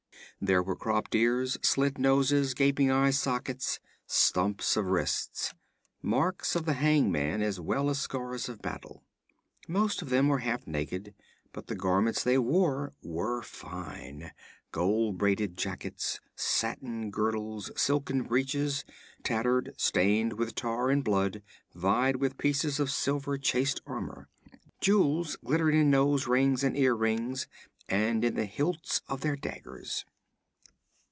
There were cropped ears, slit noses, gaping eye sockets, stumps of wrists marks of the hangman as well as scars of battle. Most of them were half naked, but the garments they wore were fine; gold braided jackets, satin girdles, silken breeches, tattered, stained with tar and blood, vied with pieces of silver chased armor. Jewels glittered in nose rings and ear rings, and in the hilts of their daggers.